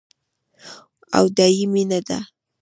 او دايې مينه ده.